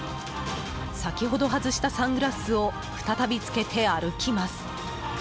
先ほど外したサングラスを再び着けて歩きます。